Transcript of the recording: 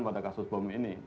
pada kasus bom ini